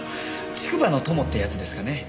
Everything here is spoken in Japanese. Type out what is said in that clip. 竹馬の友ってやつですかね？